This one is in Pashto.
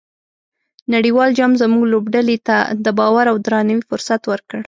نړیوال جام زموږ لوبډلې ته د باور او درناوي فرصت ورکړ.